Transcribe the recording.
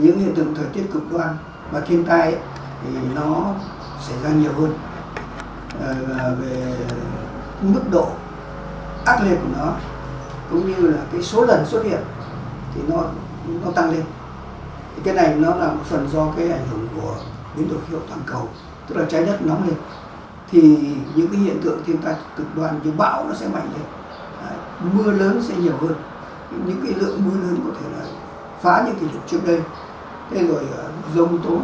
như là cái số lần xuất hiện thì nó tăng lên cái này nó là một phần do cái ảnh hưởng của biến đổi khí hậu toàn cầu tức là trái đất nóng lên thì những cái hiện tượng thiên tai cực đoan như bão nó sẽ mạnh lên mưa lớn sẽ nhiều hơn những cái lượng mưa lớn có thể là phá những kỷ lục trước đây thế rồi dùng tố bão và lũ lụt giúp là nó có thể tăng lên